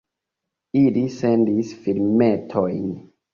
Ili sendis filmetojn.